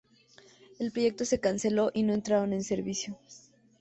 El proyecto se canceló y no entraron en servicio.